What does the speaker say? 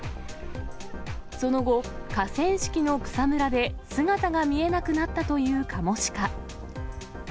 その後、河川敷の草むらで姿が見えなくなったというカモシカ。